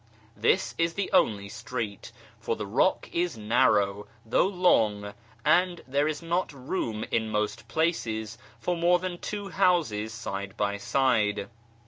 This is the only street, for the rock is narrow, though long, and there is not room in most places for more than two houses side by side.